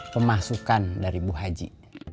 pemasukan dari bu haji